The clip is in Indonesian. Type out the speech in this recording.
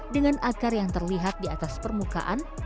dengan akar yang terlihat di atas permukaan